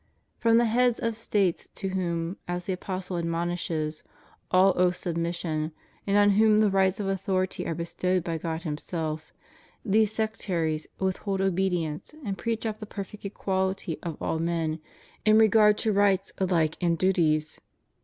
From the heads of States to whom, as the Apostle admonishes, all owe submission, and on whom the rights of authority are bestowed by God Himself, these sectaries withhold obedience and preach up the perfect equality of all men in regard to rights alike and duties.